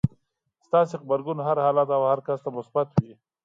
ستاسې غبرګون هر حالت او هر کس ته مثبت وي.